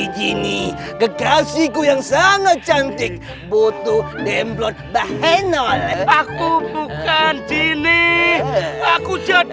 kakekcis ikut yang sangat cantik butuh demblot bahenol aku buka sele banyak